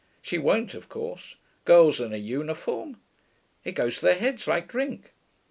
She won't, of course. Girls and a uniform it goes to their heads like drink.'